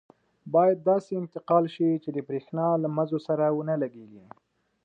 باید داسې انتقال شي چې د بریښنا له مزو سره ونه لګېږي.